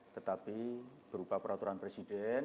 tetapi berupa peraturan presiden